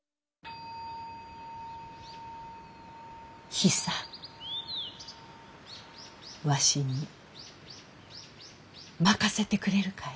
ヒサわしに任せてくれるかえ？